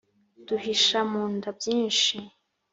duhisha mu nda byinshi.